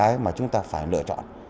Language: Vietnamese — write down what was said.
đây là một cái mà chúng ta phải lựa chọn